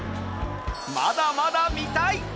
まだまだ見たい。